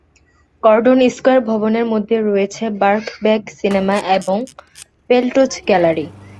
Gordon Square ভবনের মধ্যে রয়েছে বার্কবেক সিনেমা এবং পেল্টজ গ্যালারি।